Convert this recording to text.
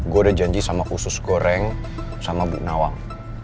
gue udah janji sama khusus goreng sama bu nawang